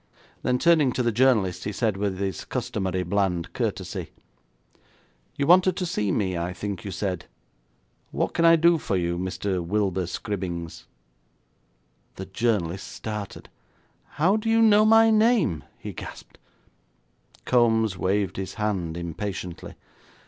Then, turning to the journalist, he said, with his customary bland courtesy 'You wanted to see me, I think you said. What can I do for you, Mr Wilber Scribbings?' The journalist started. 'How do you know my name?' he gasped. Kombs waved his hand impatiently.